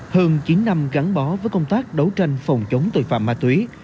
hơn chín năm gắn bó với công tác đấu tranh phòng chống tội phạm ma túy